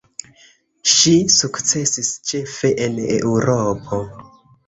Ŝi sukcesis ĉefe en Eŭropo.